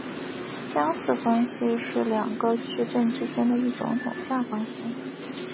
相似关系是两个矩阵之间的一种等价关系。